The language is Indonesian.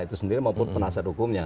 itu sendiri maupun penasihat hukumnya